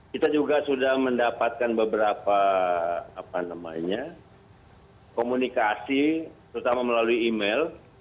kita juga sudah mendapatkan beberapa komunikasi terutama melalui email